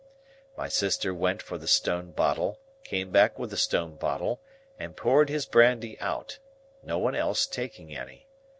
My sister went for the stone bottle, came back with the stone bottle, and poured his brandy out: no one else taking any.